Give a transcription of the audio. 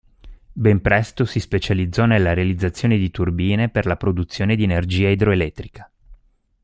Ben presto si specializzò nella realizzazione di turbine per la produzione di energia idroelettrica.